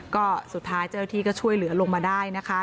ก็สุดท้ายเจ้าที่ก็ช่วยเหลือลงมาได้นะคะ